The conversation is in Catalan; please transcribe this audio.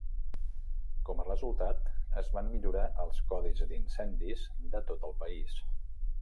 Com a resultat, es van millorar els codis d'incendis de tot el país.